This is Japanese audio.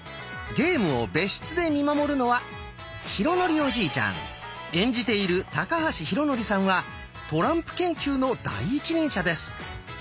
ゲームを別室で見守るのは演じている高橋浩徳さんはトランプ研究の第一人者です。